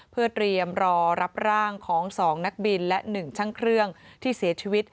เพื่อเตรียมรอรับร่างของ๒นักบินและ๑ช่างเครื่องที่เสียชีวิต